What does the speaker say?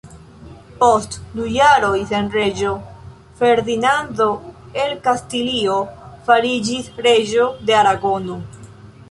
Post du jaroj sen reĝo, Ferdinando el Kastilio fariĝis reĝo de Aragono.